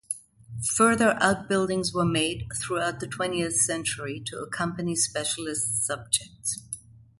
Further outbuildings were made throughout the twentieth century to accompany specialist subjects.